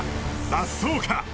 雑草か？